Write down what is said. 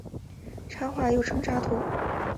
插画又称插图。